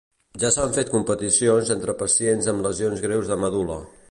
Ja s'han fet competicions entre pacients amb lesions greus de medul·la.